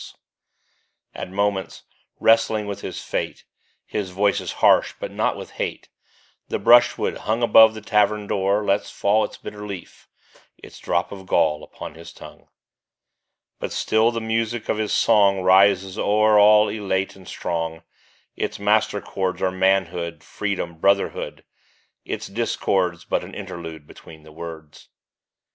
26 OBERT BURNS. At moment* wrestling with his fate, His voice is' ^arsh, but not with hate ; The bru&iwood, hung Above the tav\ ern door, lets fall Its bitter leaf, jfts drops of gall Upon his But still the music v , of his song Rises o'er all elate ancf strong ; Its master chords Are Manhood, Freedom, Brotherhood ; Its discords but an interlude Between the words.